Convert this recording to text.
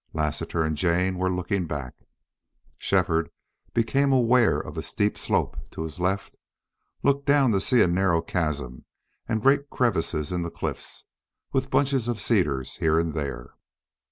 Lassiter and Jane were looking back. Shefford, becoming aware of a steep slope to his left, looked down to see a narrow chasm and great crevices in the cliffs, with bunches of cedars here and there.